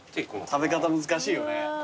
食べ方難しいよね。